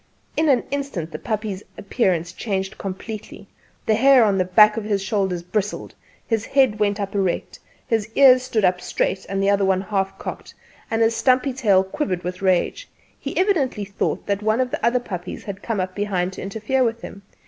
In an instant the puppy's appear¬ance changed completely: the hair on his back and shoulders bristled; his head went up erect; one ear stood up straight and the other at half cock; and his stumpy tail quivered with rage. He evidently thought that one of the other puppies had come up be¬hind to interfere with him.